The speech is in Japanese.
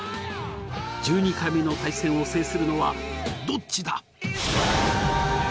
１２回目の対戦を制するのはどっちだ！？